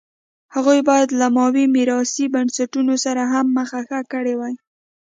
هغوی باید له ماوو میراثي بنسټونو سره هم مخه ښه کړې وای.